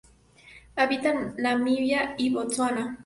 Habita en Namibia y Botsuana.